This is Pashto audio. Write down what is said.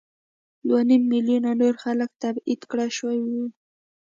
دوه نیم میلیونه نور خلک تبعید کړای شوي وو.